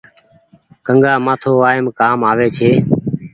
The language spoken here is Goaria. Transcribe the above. ڪنگآ مآٿو وآئم ڪآم آوي ڇي۔